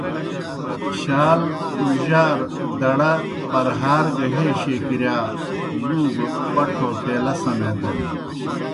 شال، پُھڙجِیار، دڑہ، پرہار گہ ہَیشے کِرِیا لُوگہ پٹھو پیلہ سنےدینَن۔